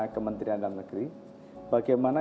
kementerian dalam negeri bagaimana